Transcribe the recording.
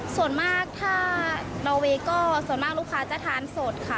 ส่วนมากถ้านอเวย์ก็ส่วนมากลูกค้าจะทานสดค่ะ